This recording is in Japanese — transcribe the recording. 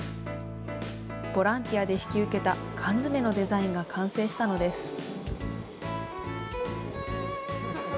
ボランティアで引き受けた缶詰のデザインが完成したのです。